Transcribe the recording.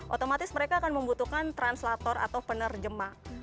otomatis mereka akan membutuhkan translator atau penerjemah